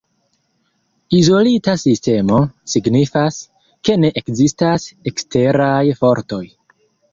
Izolita sistemo, signifas, ke ne ekzistas eksteraj fortoj.